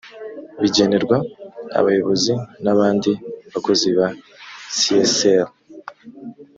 bigenerwa abayobozi n ‘abandi bakozi ba csr.